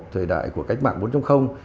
thời đại của cách mạng bốn trong